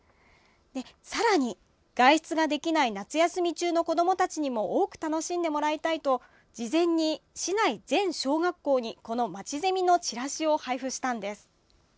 さらに、外出ができない夏休み中の子どもたちにも多く楽しんでもらいたいと事前に、市内全小学校にまちゼミのチラシを配布したんです。